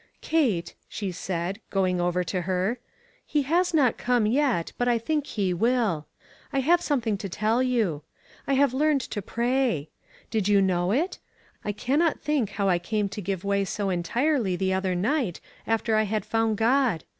"Kate," she said, going over to her, "he has not come j et, but I think he will. I have something to tell you. I have learned to pray. Did you know it? I cannot think how I came to give way so entirely the other night, after I had found God.